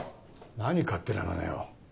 何勝手なまねを。